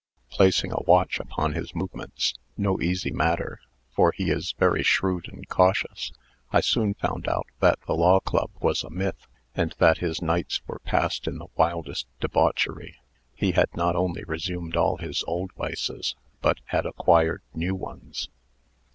"Placing a watch upon his movements no easy matter, for he is very shrewd and cautious I soon found out that the law club was a myth, and that his nights were passed in the wildest debauchery. He had not only resumed all his old vices, but had acquired new ones.